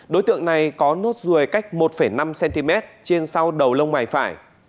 đối tượng này có nốt ruồi cách một năm cm trên sau đầu lông mày phải